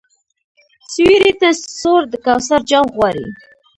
سیوري ته سوړ د کوثر جام غواړي